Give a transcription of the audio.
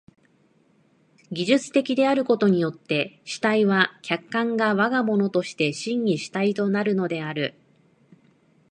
技術的であることによって主体は客観を我が物として真に主体となるのである。